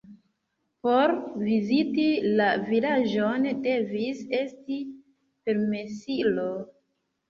Por viziti la vilaĝon devis esti permesilo.